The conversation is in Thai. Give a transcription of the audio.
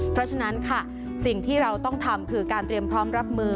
เพราะฉะนั้นค่ะสิ่งที่เราต้องทำคือการเตรียมพร้อมรับมือ